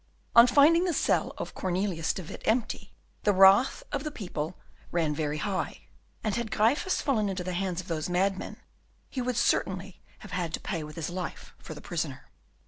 On finding the cell of Cornelius de Witt empty, the wrath of the people ran very high, and had Gryphus fallen into the hands of those madmen he would certainly have had to pay with his life for the prisoner.